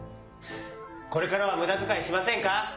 これからはむだづかいしませんか？